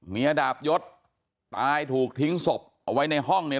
ดาบยศตายถูกทิ้งศพเอาไว้ในห้องเนี่ย